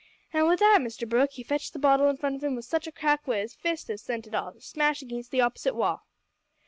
"An' wi' that, Mr Brooke, he fetched the bottle in front of him such a crack wi' his fist as sent it all to smash against the opposite wall.